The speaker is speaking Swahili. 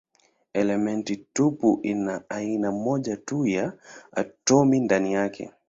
Elementi tupu ina aina moja tu ya atomi ndani yake.